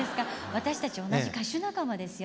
私たち同じ歌手仲間ですよ。